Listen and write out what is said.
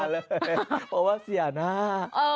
อย่าเลยเพราะว่าเสียหน้า